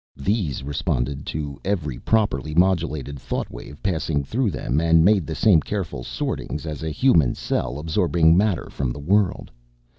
These responded to every properly modulated thought wave passing through them and made the same careful sortings as a human cell absorbing matter from the world.